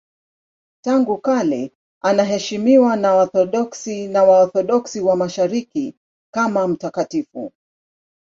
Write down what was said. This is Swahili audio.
Tangu kale anaheshimiwa na Waorthodoksi na Waorthodoksi wa Mashariki kama mtakatifu.